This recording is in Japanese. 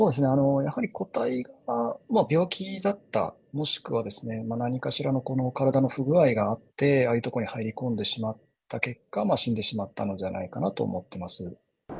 やはり、個体が病気だった、もしくは、何かしらの体の不具合があって、ああいう所に入り込んでしまった結果、死んでしまったのではないかなと思ってます。